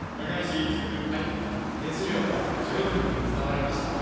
熱量は十分に伝わりました。